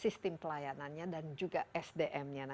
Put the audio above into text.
saya terima kasih banyak banyak terhadap mbak sana